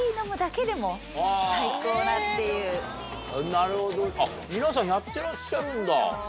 なるほど皆さんやってらっしゃるんだ。